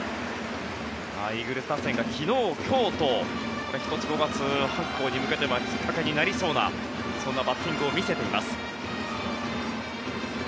イーグルス打線が昨日今日と１つ、５月に向けてはきっかけになりそうなそんなバッティングを見せています。